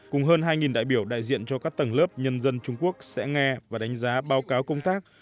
cùng hơn hai đại biểu đại diện cho các tầng lớp nhân dân trung quốc sẽ nghe và đánh giá báo cáo công tác